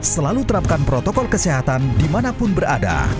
selalu terapkan protokol kesehatan di manapun berada